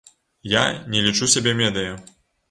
Я не лічу сябе медыя.